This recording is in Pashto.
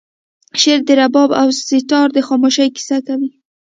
شعر د رباب او سیتار د خاموشۍ کیسه کوي